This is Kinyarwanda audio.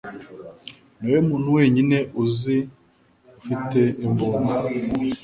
Niwowe muntu wenyine uzi ufite imbunda.